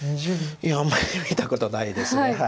いやあんまり見たことないです。